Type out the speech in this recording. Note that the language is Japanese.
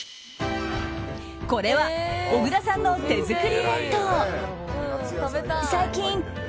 これは、小倉さんの手作り弁当。